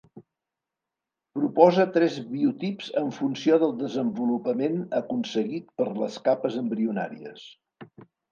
Propose tres biotips en funció del desenvolupament aconseguit per les capes embrionàries.